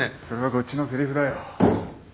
それはこっちのせりふだよ。